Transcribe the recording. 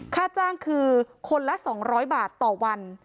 ค่าจ้างคือคนละ๒๐๐บาทต่อวัน